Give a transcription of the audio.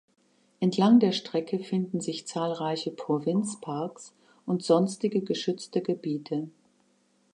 Entlang der Strecke finden sich zahlreiche Provinzparks und sonstige geschützte Gebiete.